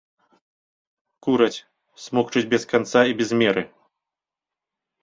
Кураць, смокчуць без канца і без меры!